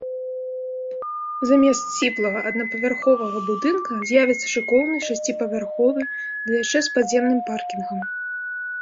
Замест сціплага аднапавярховага будынка з'явіцца шыкоўны шасціпавярховы, ды яшчэ з падземным паркінгам.